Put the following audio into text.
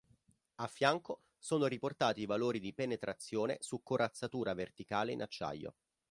A fianco sono riportati i valori di penetrazione su corazzatura verticale in acciaio.